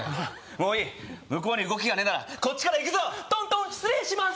もういい向こうに動きがねえならこっちから行くぞトントン失礼します